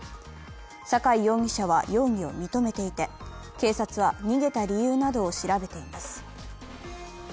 酒井容疑者は容疑を認めていて、警察は逃げた理由などを調べています。